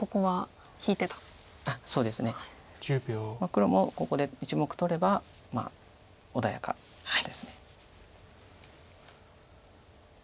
黒もここで１目取れば穏やかです。